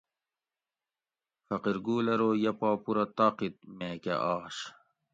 فقیرگل ارو یہ پا پورہ طاقت میکہ آش